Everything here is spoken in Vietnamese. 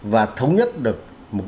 và thống nhất được